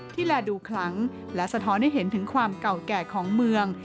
แลดูคลังและสะท้อนให้เห็นถึงความเก่าแก่ของเมือง